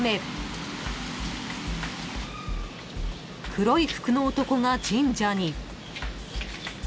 ［黒い服の男が神社に］